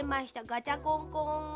ガチャコンコン。